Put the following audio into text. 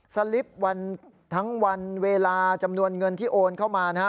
สลิปวันทั้งวันเวลาจำนวนเงินที่โอนเข้ามานะฮะ